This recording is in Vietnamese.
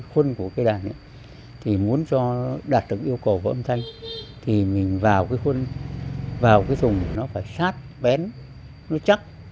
khuân của cái đàn thì muốn đạt được yêu cầu của âm thanh thì mình vào cái khuân vào cái thùng nó phải sát bén nó chắc